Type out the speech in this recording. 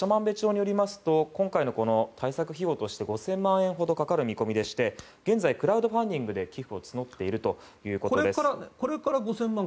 長万部町によりますと今回の対策費用として５０００万円ほどかかる見込みでして現在クラウドファンディングで寄付を募っているそうです。